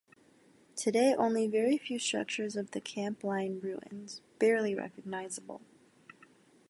Today only very few structures of the camp lie in ruins, barely recognizable.